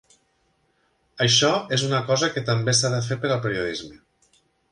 Això és una cosa que també s'ha de fer per al periodisme.